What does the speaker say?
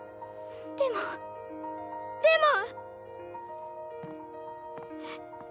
でもでも！